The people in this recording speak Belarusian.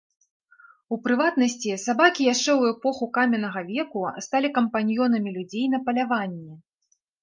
У прыватнасці, сабакі яшчэ ў эпоху каменнага веку сталі кампаньёнамі людзей на паляванні.